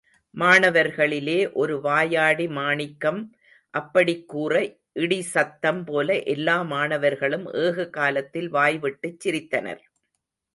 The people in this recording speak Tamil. மாணவர்களிலே ஒரு வாயாடி மாணிக்கம் அப்படிக் கூற, இடி சத்தம் போல எல்லா மாணவர்களும் ஏககாலத்தில் வாய்விட்டுச் சிரித்தனர்.